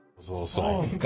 そうか。